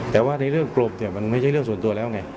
แต่ว่าในเรื่องกลบเนี่ยมันไม่ใช่เรื่องส่วนตัวแล้วไง